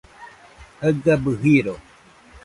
jaɨgabɨ jiro